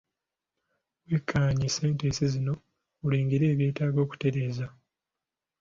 Wekkaanye sentensi zino olengere ebyetaaga okutereeza.